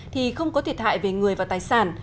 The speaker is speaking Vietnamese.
thì không có thiệt hại về người và tài sản